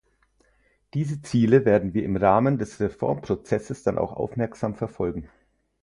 Diese Ziele werden wir im Rahmen des Reformprozesses dann auch aufmerksam verfolgen.